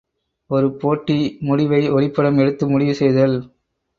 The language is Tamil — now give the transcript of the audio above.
ஒரு போட்டி முடிவை ஒளிப்படம் எடுத்து முடிவு செய்தல்.